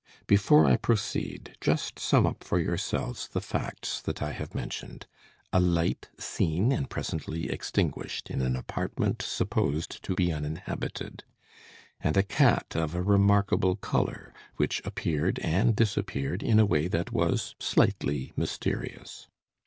Before I proceed, just sum up for yourselves the facts that I have mentioned: a light seen and presently extinguished in an apartment supposed to be uninhabited; and a cat of a remarkable color, which appeared and disappeared in a way that was slightly mysterious.